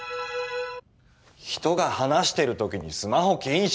人が話してる時にスマホ禁止！